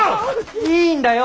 いいんだよ。